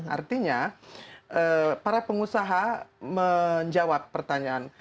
artinya para pengusaha menjawab pertanyaan